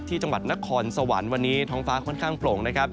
จังหวัดนครสวรรค์วันนี้ท้องฟ้าค่อนข้างโปร่งนะครับ